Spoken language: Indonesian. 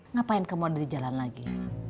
ngapain kamu udah di jalan lagi